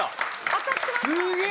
当たってました。